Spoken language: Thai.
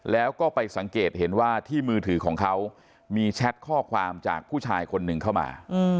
แล้วก็ไปสังเกตเห็นว่าที่มือถือของเขามีแชทข้อความจากผู้ชายคนหนึ่งเข้ามา